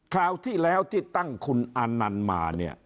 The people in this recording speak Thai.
คราวที่แล้วที่ตั้งคุณอานันต์มาเนี่ย